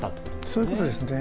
そういうことですね。